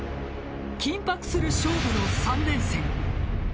緊迫する勝負の三連戦。